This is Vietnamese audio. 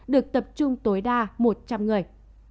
được tập trung tối đa một trăm linh người